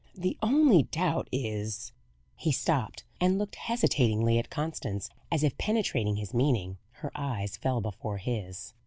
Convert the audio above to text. The only doubt is " He stopped, and looked hesitatingly at Constance. As if penetrating his meaning, her eyes fell before his.